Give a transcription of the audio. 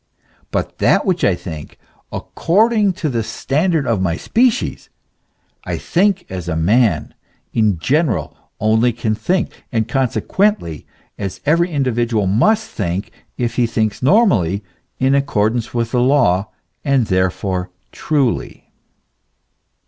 But that which I think according to the standard of the species, I think as man in general only can think, and consequently as every individual must think if he thinks normally, in accordance, with law, and therefore truly.